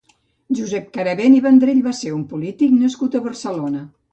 Josep Carabén i Vendrell va ser un polític nascut a Barcelona.